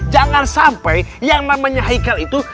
jangan sampai yang namanya haikal itu